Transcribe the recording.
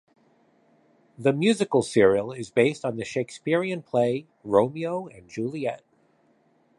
The musical serial is based on the Shakespearean play "Romeo and Juliet".